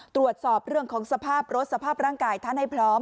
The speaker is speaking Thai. ตรวจสอบเรื่องของสภาพรถสภาพร่างกายท่านให้พร้อม